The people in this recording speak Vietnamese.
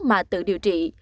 mà tự điều trị